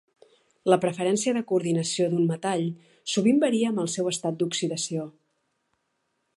La preferència de coordinació d'un metall sovint varia amb el seu estat d'oxidació.